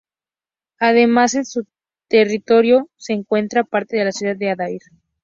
Además, en su territorio se encuentra parte de la ciudad de Adair.